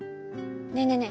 ねえねえね